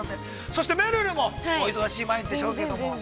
そしてめるるも、お忙しい毎日でしょうけども。